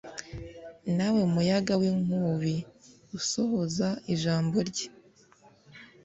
nawe muyaga w'inkubi usohoza ijambo rye